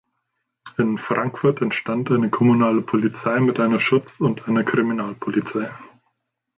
In Frankfurt entstand eine kommunale Polizei mit einer Schutz- und einer Kriminalpolizei.